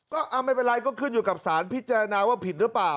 ก็ไม่เป็นไรก็ขึ้นอยู่กับสารพิจารณาว่าผิดหรือเปล่า